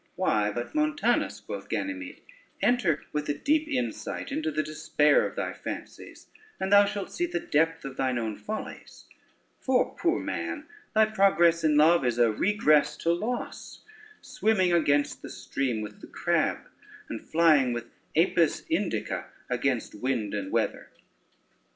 "Why but, Montanus," quoth Ganymede, "enter with a deep insight into the despair of thy fancies, and thou shalt see the depth of thine own follies; for, poor man, thy progress in love is a regress to loss, swimming against the stream with the crab, and flying with Apis Indica against wind and weather.